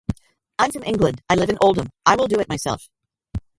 I'm from England, I live in Oldham. I will do it myself.